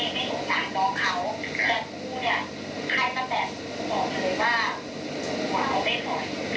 ไม่รู้ตามน้องเขาแต่กูเนี่ยใครตั้งแต่บอกเลยว่าหว่าเขาไม่สอบ